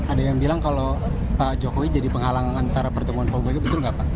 ada yang bilang kalau pak jokowi jadi penghalang antara pertemuan pak mega betul nggak pak